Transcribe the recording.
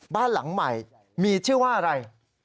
บ้านหลังใหม่มีชื่อว่าอะไร